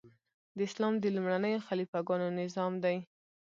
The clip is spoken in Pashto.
د اسلام د لومړنیو خلیفه ګانو نظام دی.